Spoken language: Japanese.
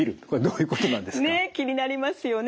気になりますよね。